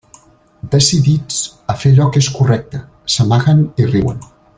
Decidits a fer allò que és correcte, s'amaguen i riuen.